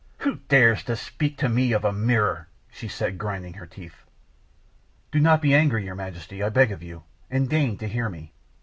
"Who dares to speak to me of a mirror?" she said, grinding her teeth. "Do not be angry, your Majesty, I beg of you, and deign to hear me.